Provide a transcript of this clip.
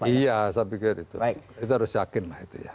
iya saya pikir itu itu harus yakin lah